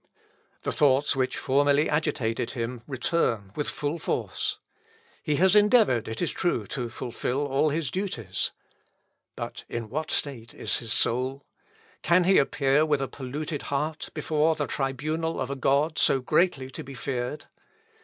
The thoughts which formerly agitated him return with full force. He has endeavoured, it is true, to fulfil all his duties. But in what state is his soul? Can he appear with a polluted heart before the tribunal of a God so greatly to be feared?